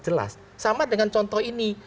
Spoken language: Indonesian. jelas sama dengan contoh ini